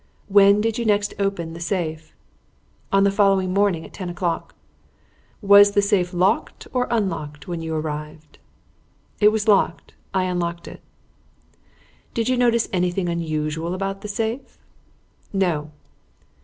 "When did you next open the safe?" "On the following morning at ten o'clock." "Was the safe locked or unlocked when you arrived?" "It was locked. I unlocked it." "Did you notice anything unusual about the safe?" "No."